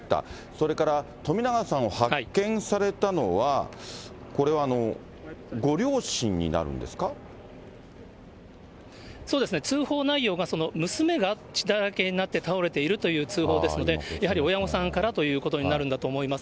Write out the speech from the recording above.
それからとみながさんを発見されたのは、これはご両親になるんで通報内容が、娘が血だらけになって倒れているという通報ですので、やはり親御さんからということになるんだと思います。